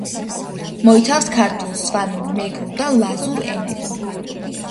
მოიცავს ქართულ, სვანურ, მეგრულ და ლაზურ ენებს.